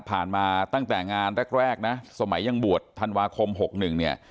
ผ่านมาตั้งแต่งานแรกแรกนะสมัยยังบวชธันวาคมหกหนึ่งเนี่ย